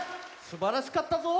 すばらしかったぞ。